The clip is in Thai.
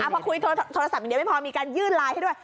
พอคุยโทรศัพท์อย่างเดียวไม่พอมีการยื่นไลน์ให้ด้วย